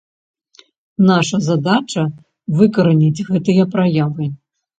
Наша задача выкараніць гэтыя праявы.